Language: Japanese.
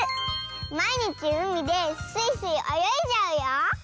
まいにちうみでスイスイおよいじゃうよ。